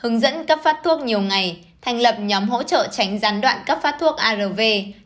hướng dẫn cấp phát thuốc nhiều ngày thành lập nhóm hỗ trợ tránh gián đoạn cấp phát thuốc arv